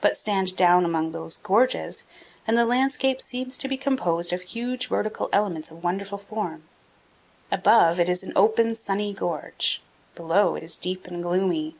But stand down among these gorges and the landscape seems to be composed of huge vertical elements of wonderful form. Above, it is an open, sunny gorge; below, it is deep and gloomy.